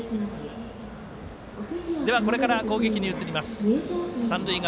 これから攻撃に移ります